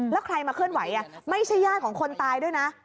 แล้วใครมาเคลื่อนไหวไม่ใช่ญาติของคนตายด้วยนะ